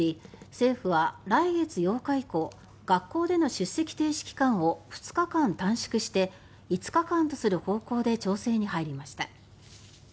政府は来月８日以降学校での出席停止期間を２日間短縮して５日間とする方向で調整に入りました。